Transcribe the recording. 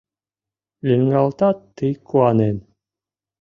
Лӱҥгалтат тый куанен;